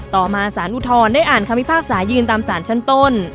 ต่อมาสารอุทธรณ์ได้อ่านคำพิพากษายืนตามสารชั้นต้น